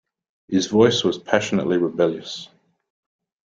His voice was passionately rebellious.